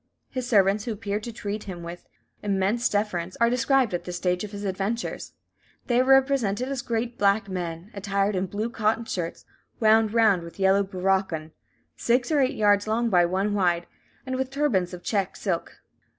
His servants, who appeared to treat him with immense deference, are described at this stage of his adventures. They are represented as great black men, attired in blue cotton shirts, wound round with yellow bouracan, six or eight yards long by one wide, and with turbans of check silk.